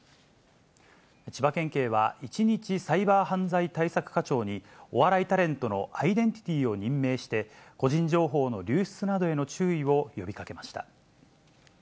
千葉県警は、一日サイバー犯罪対策課長に、お笑いタレントのアイデンティティを任命して、個人情報の流出などへの注意を呼びかけました。